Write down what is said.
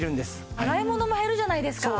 洗い物も減るじゃないですか。